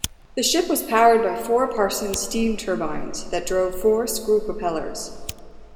The ship was powered by four Parsons steam turbines that drove four screw propellers.